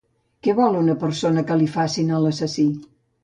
Què vol una persona que li facin a l'assassí?